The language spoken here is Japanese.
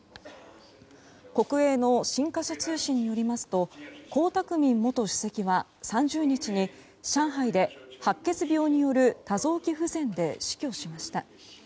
国営の新華社通信によりますと江沢民元主席は３０日に上海で、白血病による多臓器不全で死去しました。